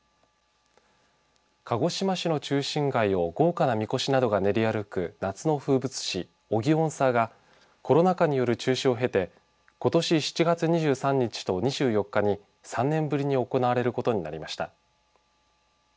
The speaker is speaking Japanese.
鹿児島市の中心街を高価なみこしなどが練り歩く夏の風物詩、おぎおんさぁがコロナ禍による中止を経てことし７月２３日と２４日に３年ぶりに行われることになりました。